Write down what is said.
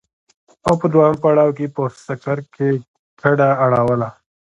او په دوهم پړاو به يې په سکر کې کډه اړوله.